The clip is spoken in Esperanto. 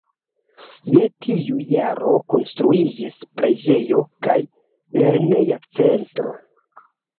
Je tiu jaro konstruiĝis preĝejo kaj lerneja centro.